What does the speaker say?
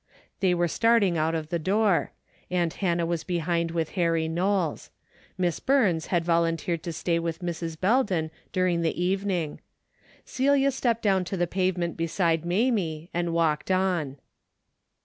They were starting out of the door. Aunt Hannah was behind with Harry Knowles. Miss Burns had volunteered to stay with Mrs. Belden during the evening. Celia stepped down to the pavement beside Mamie and walked on.